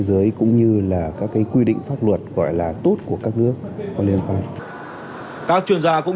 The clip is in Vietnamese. giới cũng như là các cái quy định pháp luật gọi là tốt của các nước có liên quan các chuyên gia cũng